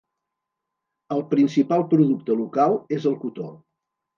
El principal producte local és el cotó.